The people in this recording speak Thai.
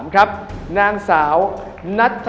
๓๓๐ครับนางสาวปริชาธิบุญยืน